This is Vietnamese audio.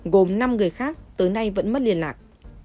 gồm năm người khác tới nay vẫn mất liên lạc